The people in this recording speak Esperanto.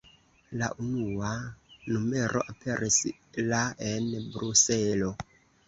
La unua numero aperis la en Bruselo.